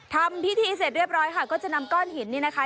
ทำพิธีเสร็จเรียบร้อยค่ะก็จะนำก้อนหินนี่นะคะ